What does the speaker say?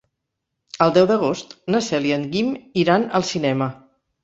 El deu d'agost na Cel i en Guim iran al cinema.